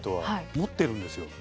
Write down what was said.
持ってるんですよ。